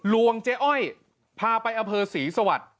วงเจ๊อ้อยพาไปอำเภอศรีสวัสดิ์